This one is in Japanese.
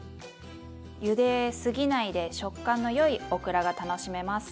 ゆですぎないで食感のよいオクラが楽しめます。